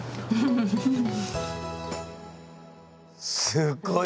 すっごい